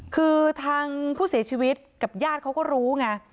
คือทางผู้เสียชีวิตกับญาติเขาก็รู้ไง